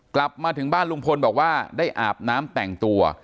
กลับมาถึงบ้านลุงพลบอกว่าได้อาบน้ำแต่งตัว